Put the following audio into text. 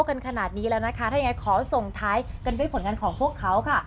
กันขนาดนี้แล้วนะคะถ้ายังไงขอส่งท้ายกันด้วยผลงานของพวกเขาค่ะ